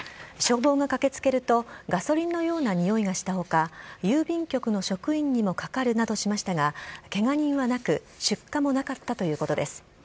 消防が駆けつけると、ガソリンのようなにおいがしたほか、郵便局の職員にもかかるなどしましたが、けが人はなく、出火もなかったということです。